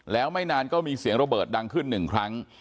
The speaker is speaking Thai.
แล้วไม่นานก็มีเสียงระเบิดดังขึ้นหนึ่งครั้ง